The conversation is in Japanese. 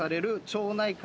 町内会？